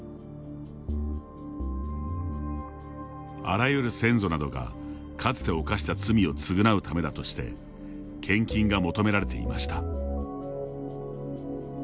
あらゆる先祖などがかつて犯した罪を償うためだとして献金が求められていました。